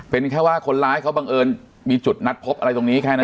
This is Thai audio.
เป็นแค่ว่าคนร้ายเขาบังเอิญมีจุดนัดพบอะไรตรงนี้แค่นั้น